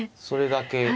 それだけ。